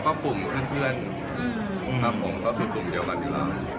ก็กลุ่มเพื่อนคือกลุ่มเดี่ยวกันอีกครั้ง